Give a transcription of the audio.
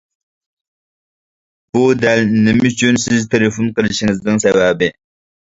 بۇ دەل نېمە ئۈچۈن سىز تېلېفون قىلىشىڭىزنىڭ سەۋەبى.